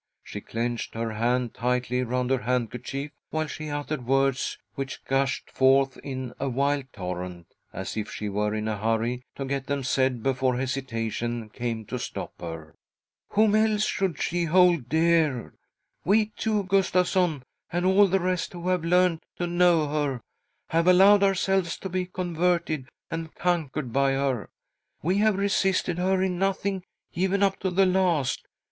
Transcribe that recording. She clenched her hand tightly round her handkerchief, while she uttered words which gushed forth in a wild torrent, as if she were in a hurry to get them said before hesitation came to stop her. "Whom else should she hold dear? We two, Gustavsson, and all the rest who have learnt to know her, have allowed ourselves to be converted and conquered by her. We have resisted her in nothing, even up to the last.